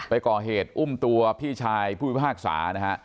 ไปก่อเหตุอุ้มตัวพี่ชายผู้พิพากษานะฮะ